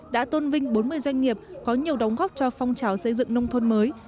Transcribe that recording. đã tôn vinh bốn mươi doanh nghiệp có nhiều đóng góp cho phong trào xây dựng nông thôn mới